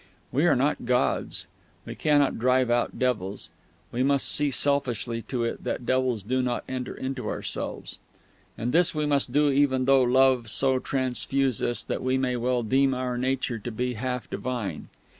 We are not gods. We cannot drive out devils. We must see selfishly to it that devils do not enter into ourselves. And this we must do even though Love so transfuse us that we may well deem our nature to be half divine.